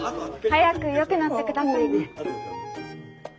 早くよくなって下さいね。